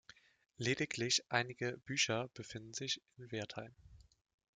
Lediglich einige Bücher befinden sich in Wertheim.